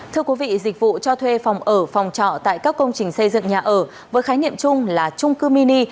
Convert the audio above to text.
thưa quý vị dịch vụ cho thuê phòng ở phòng trọ tại các công trình xây dựng nhà ở với khái niệm chung là trung cư mini